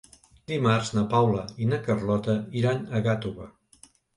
Dimarts na Paula i na Carlota iran a Gàtova.